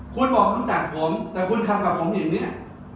คุณบอกรู้จักผมแต่คุณทำกับผมผิดเนี่ย